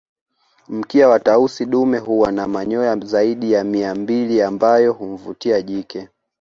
Mkia wa Tausi dume huwa na manyoya zaidi ya mia mbili ambayo humvutia jike